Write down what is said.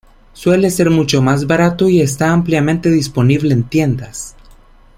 Suele ser mucho más barato y está ampliamente disponible en tiendas.